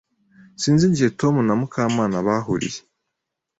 Sinzi igihe Tom na Mukamana bahuriye.